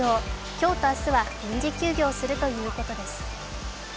今日と明日は臨時休業するということです。